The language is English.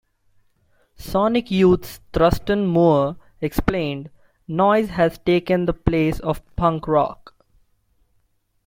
Sonic Youth's Thurston Moore explained: Noise has taken the place of punk rock.